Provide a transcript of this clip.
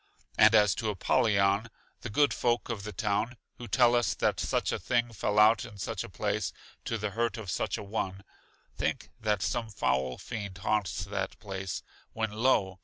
And as to Apollyon, the good folk of the town, who tell us that such a thing fell out in such a place, to the hurt of such a one, think that some foul fiend haunts that place, when lo!